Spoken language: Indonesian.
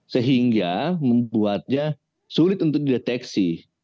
sehingga membuatnya sulit untuk dideteksi